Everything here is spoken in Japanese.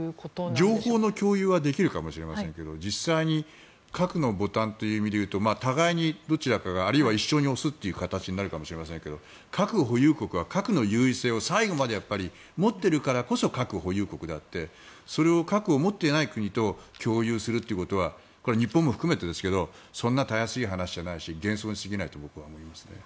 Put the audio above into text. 情報の共有はできるかもしれませんが実際に核のボタンという意味ではどちらかがあるいは一緒に押す形になるかもしれませんが核保有国は核の優位性を最後まで持っているからこそ核保有国であってそれを核を持っていない国と共有するということはこれは日本も含めてですけどそんなにたやすい話じゃないですし幻想にすぎないと僕は思いますね。